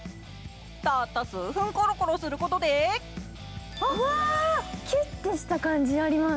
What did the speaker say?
たった数分コロコロすることでキュッとした感じあります。